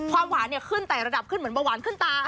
หวานขึ้นแต่ระดับขึ้นเหมือนเบาหวานขึ้นตา